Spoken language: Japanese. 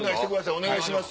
お願いします。